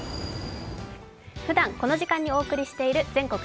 ふだんこの時間にお送りしている「全国！